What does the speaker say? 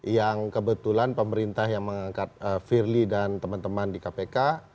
yang kebetulan pemerintah yang mengangkat firly dan teman teman di kpk